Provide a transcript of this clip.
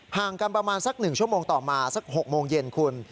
ห่างกันประมาณสัก๑ชั่วโมงต่อมาสัก๖โมงเย็นคุณ